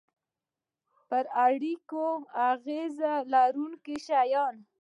پر اړیکو اغیز لرونکي شیان